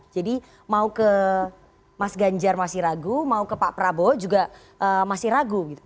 jadi mau ke mas ganjar masih ragu mau ke pak prabowo juga masih ragu gitu